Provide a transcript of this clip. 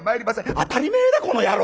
「当たり前だこの野郎！